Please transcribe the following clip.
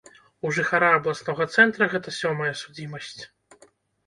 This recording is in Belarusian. У жыхара абласнога цэнтра гэта сёмая судзімасць.